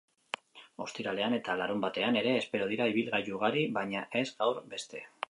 Ostiralean eta larunbatean ere espero dira ibilgailu ugari, baina ez gaur beste.